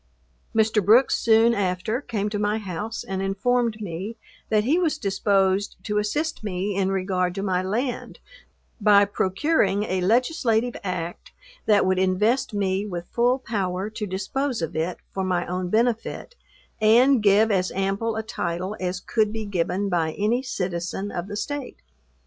Mr. Brooks soon after, came to my house and informed me that he was disposed to assist me in regard to my land, by procuring a legislative act that would invest me with full power to dispose of it for my own benefit, and give as ample a title as could be given by any citizen of the state.